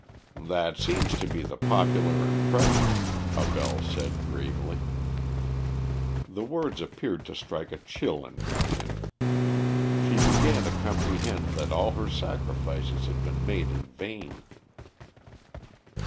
"That seems to be the popular impression," Abell said gravely. The words appeared to strike a chill in Marion. She began to comprehend that all her sacrifices had been made in vain.